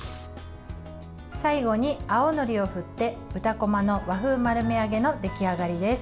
最後に青のりを振って豚こまの和風丸め揚げの出来上がりです。